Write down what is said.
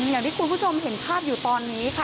อย่างที่คุณผู้ชมเห็นภาพอยู่ตอนนี้ค่ะ